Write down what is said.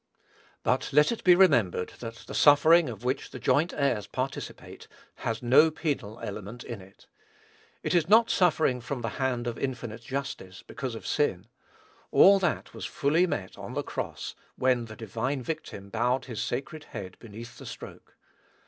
But let it be remembered that the suffering of which the joint heirs participate has no penal element in it. It is not suffering from the hand of infinite justice, because of sin; all that was fully met on the cross, when the divine Victim bowed his sacred head beneath the stroke.